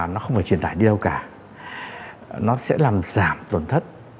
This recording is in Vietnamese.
nó không phải truyền tải đi đâu cả nó sẽ làm giảm tổn thất